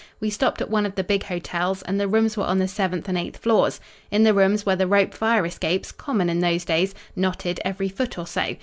We stopped at one of the big hotels, and the rooms were on the seventh and eighth floors. In the rooms were the rope fire escapes, common in those days, knotted every foot or so.